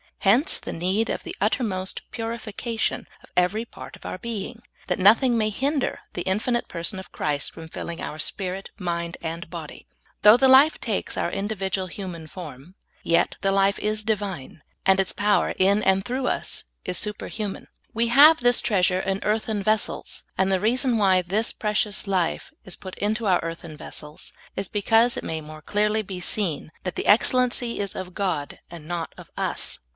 Hence the need of the uttermost purification of every part of our being, that nothing may hinder the infinite person of Christ from filling our spirit, the; forms of divine life. 131 mind, and tTody . Though the life takes our individ ual human form, yet the life is Divine, and its power in and through us is superhuman. " We have this treasure in earthen vessels," and the reason why this precious life is put into our earthen vessels is because it may more clearly be seen "that the excellency is of God," and not of us.